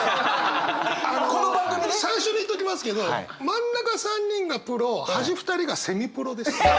この番組ね最初に言っときますけど真ん中３人がプロ端２人がセミプロです。